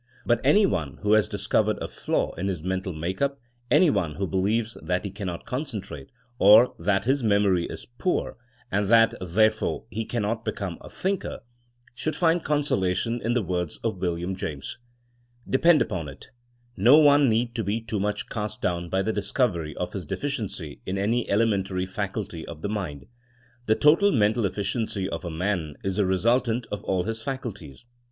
But any one who has discovered a flaw in his mental make up, any one who believes that he cannot concentrate, or that his memory is poor, and that therefore he can never become a thinker, should find consolation in the words of William James : ''Depend upon it, no one need be too much cast down by the discovery of his deficiency in any elementary faculty of the mind. ... The total mental eflSciency of a man is the resultant of all his faculties.